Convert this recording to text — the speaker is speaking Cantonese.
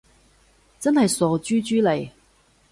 真係傻豬豬嚟